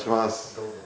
どうぞ。